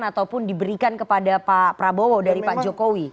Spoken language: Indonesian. ataupun diberikan kepada pak prabowo dari pak jokowi